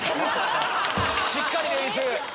しっかり練習。